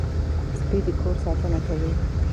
سپي د کور ساتنه کوي.